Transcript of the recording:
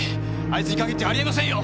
あいつに限ってありえませんよ！